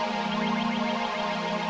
jangan lupa like share dan subscribe ya